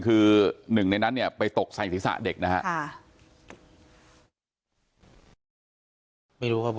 คือหนึ่งในนั้นเนี่ยไปตกทรัยศาสตร์เด็กนะครับ